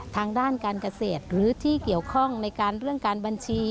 ทางด้านการเกษตรหรือที่เกี่ยวข้องในการเรื่องการบัญชี